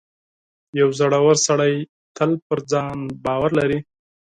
• یو زړور سړی تل پر ځان باور لري.